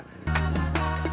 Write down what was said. sisanya baru air